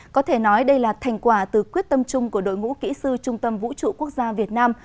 có thể nói đây là thành quả từ quyết tâm chung của đội ngũ kỹ sư trung tâm vũ trụ quốc gia việt nam